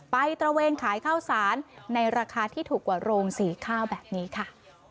ตระเวนขายข้าวสารในราคาที่ถูกกว่าโรงสีข้าวแบบนี้ค่ะ